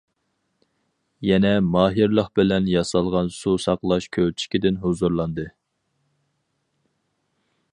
يەنە ماھىرلىق بىلەن ياسالغان سۇ ساقلاش كۆلچىكىدىن ھۇزۇرلاندى.